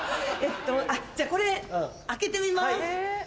じゃあこれ開けてみます。